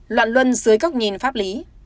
loạn luân dưới góc nhìn pháp lý